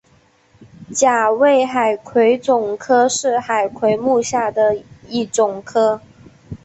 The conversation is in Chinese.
甲胄海葵总科是海葵目下的一总科。